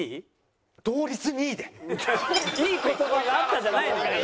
「いい言葉があった」じゃないのよ。